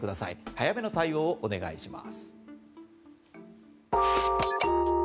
早めの対応をお願いします。